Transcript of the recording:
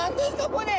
これ。